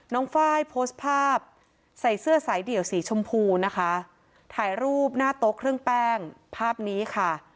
ไฟล์โพสต์ภาพใส่เสื้อสายเดี่ยวสีชมพูนะคะถ่ายรูปหน้าโต๊ะเครื่องแป้งภาพนี้ค่ะ